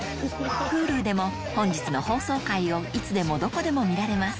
Ｈｕｌｕでも本日の放送回をいつでもどこでも見られます